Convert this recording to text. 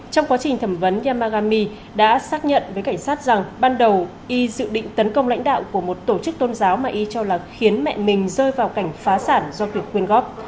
trong quá trình thẩm vấn yamagami đã xác nhận với cảnh sát rằng ban đầu y dự định tấn công lãnh đạo của một tổ chức tôn giáo mà y cho là khiến mẹ mình rơi vào cảnh phá sản do việc quyên góp